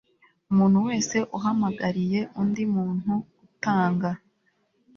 Umuntu wese uhamagariye undi muntu gutanga